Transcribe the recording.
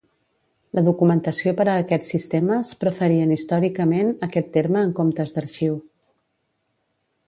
La documentació per a aquests sistemes preferien històricament aquest terme en comptes d'"arxiu".